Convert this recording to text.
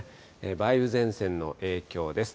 梅雨前線の影響です。